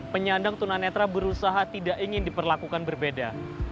penyandang tunanetra berusaha tidak ingin diperlakukan berbeda